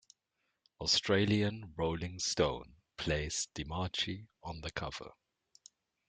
Australian "Rolling Stone" placed DeMarchi on the cover.